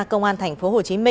công an tp hcm